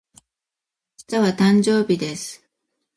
明日は、誕生日です。